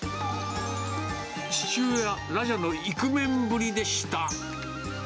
父親、ラジャのイクメンぶりでした。